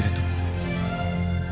lebih cepat lebih baik